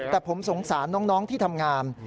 แต่ผมสงสารน้องที่ทำงาน